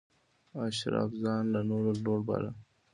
اشراف ځان له نورو لوړ باله.